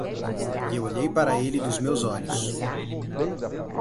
Eu olhei para ele dos meus olhos.